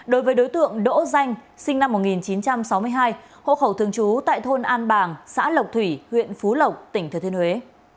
đối với đối tượng đỗ danh sinh năm một nghìn chín trăm sáu mươi hai hộ khẩu thường trú tại thôn an bàng xã lộc thủy huyện phú lộc tỉnh thừa thiên huế